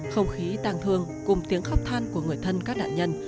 không khí tang thương cùng tiếng khóc than của người thân các nạn nhân